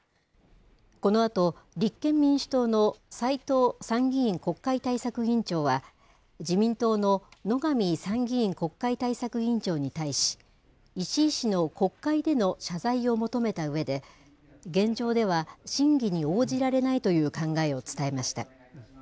このあと、立憲民主党の斎藤参議院国会対策委員長は、自民党の野上参議院国会対策委員長に対し、石井氏の国会での謝罪を求めたうえで、現状では審議に応じられないという考えを伝えました。